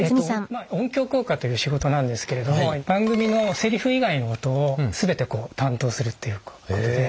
まあ音響効果という仕事なんですけれども番組のセリフ以外の音を全て担当するっていうことで。